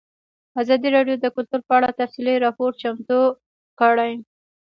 ازادي راډیو د کلتور په اړه تفصیلي راپور چمتو کړی.